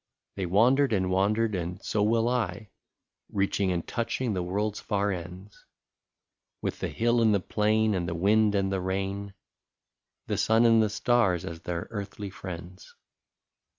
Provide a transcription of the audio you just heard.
" They wandered and wandered, and so will I, Reaching and touching the world's far ends. With the hill and the plain, the wind and the rain, The sun and the stars, as their earthly friends.